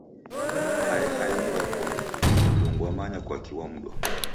Hae haenyi w'akundwa, mlungu wamanya kwaki wamudwa